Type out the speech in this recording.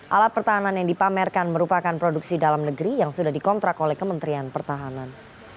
alat pertahanan yang dipamerkan merupakan produksi dalam negeri yang sudah dikontrak oleh kementerian pertahanan